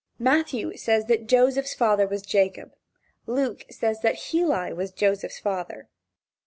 Matthew says that Joseph's father was Jacob. Luke says that Heli was Joseph's father.